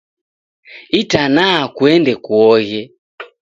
Itanaa kuende kuoghe